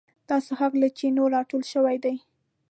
دا څښاک له چینو راټول شوی دی.